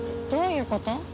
どういうこと？